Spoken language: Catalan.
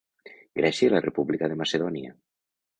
Grècia i la República de Macedònia.